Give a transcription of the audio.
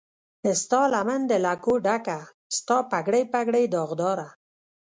ستالمن د لکو ډکه، ستا پګړۍ، پګړۍ داغداره